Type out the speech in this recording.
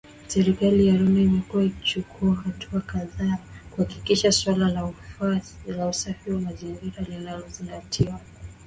Serikali ya Rwanda imekuwa ikichukua hatua kadhaa kuhakikisha suala la usafi wa mazingira linazingatiwa